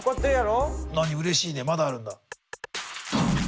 うれしいねまだあるんだ。